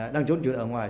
đang trốn trú nợ ở ngoài